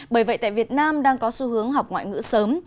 bởi vậy tại việt nam đang có xu hướng học ngoại ngữ sớm